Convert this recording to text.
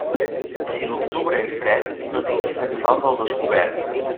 Si l'octubre és fred, no tingues animals al descobert.